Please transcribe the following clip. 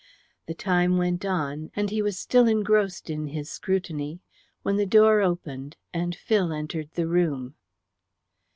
The time went on, and he was still engrossed in his scrutiny when the door opened and Phil entered the room.